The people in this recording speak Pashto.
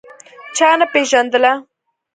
چا نه پېژندله.